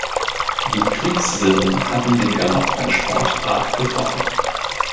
Die Kriegswirren hatten den Galopprennsport arg getroffen.